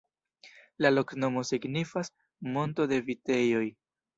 La loknomo signifas: "monto de vitejoj.